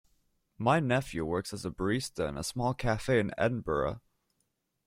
My nephew works as a barista in a small cafe in Edinburgh.